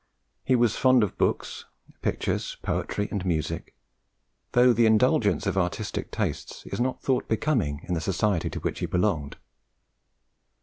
He was fond of books, pictures, poetry, and music, though the indulgence of artistic tastes is not thought becoming in the Society to which he belonged.